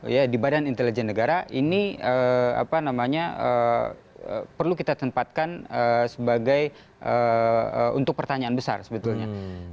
ya di badan intelijen negara ini apa namanya perlu kita tempatkan sebagai untuk pertanyaan besar sebetulnya